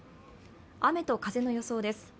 雨と風の予想です。